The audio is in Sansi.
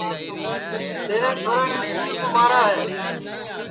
تیرے چھورین نتھیے کُو مارا ہے